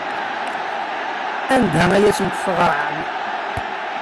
Anda ay asent-teɣram?